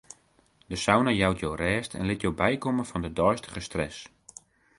De sauna jout jo rêst en lit jo bykomme fan de deistige stress.